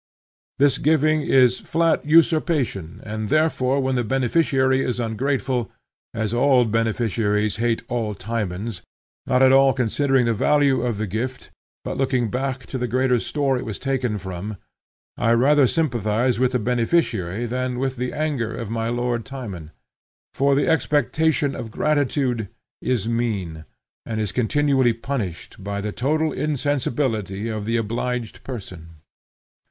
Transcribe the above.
This giving is flat usurpation, and therefore when the beneficiary is ungrateful, as all beneficiaries hate all Timons, not at all considering the value of the gift but looking back to the greater store it was taken from, I rather sympathize with the beneficiary than with the anger of my lord Timon. For the expectation of gratitude is mean, and is continually punished by the total insensibility of the obliged person.